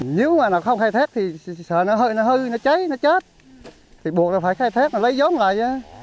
nếu mà nó không khai thét thì sợ nó hơi nó hư nó cháy nó chết thì buộc nó phải khai thét nó lấy giống lại